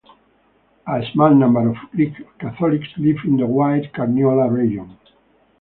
A small number of Greek Catholics live in the White Carniola region.